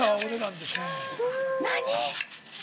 何？。